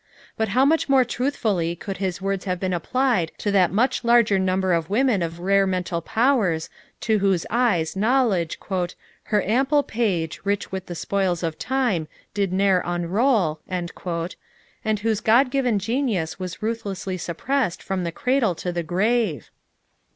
But how much more truthfully could his words have been applied to that much larger number of women of rare mental powers to whose eyes knowledge "Her ample page Rich with the spoils of time did ne'er unroll," and whose God given genius was ruthlessly suppressed from the cradle to the grave?